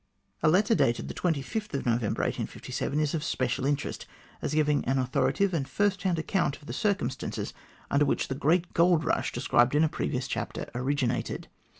A letter dated November 25, 1857, is of special interest as giving an authoritative and first hand account of the circumstances under which the great gold rush described in a previous chapter originated.